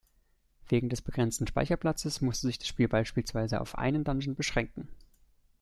Wegen des begrenzten Speicherplatzes musste sich das Spiel beispielsweise auf einen Dungeon beschränken.